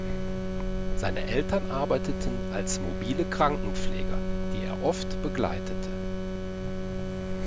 Seine Eltern arbeiteten als mobile Krankenpfleger, die er oft begleitete.